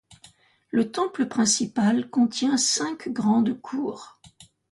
Le temple principal contient cinq grandes cours.